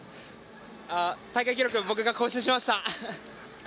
大会記録を僕が更新しました！